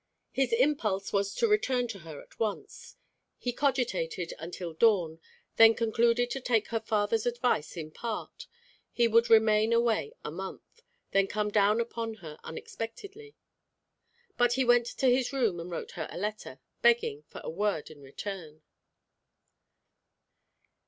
His impulse was to return to her at once. He cogitated until dawn, then concluded to take her father's advice in part; he would remain away a month, then come down upon her unexpectedly. But he went to his room and wrote her a letter, begging for a word in return.